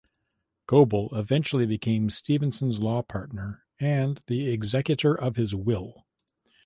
Goebel eventually became Stevenson's law partner and the executor of his will.